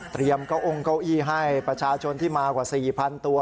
เก้าองเก้าอี้ให้ประชาชนที่มากว่า๔๐๐๐ตัว